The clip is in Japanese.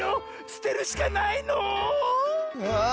すてるしかないの⁉あ！